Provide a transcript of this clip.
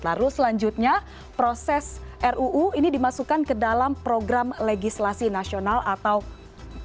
lalu selanjutnya proses ruu ini dimasukkan ke dalam program legislasi nasional atau kpu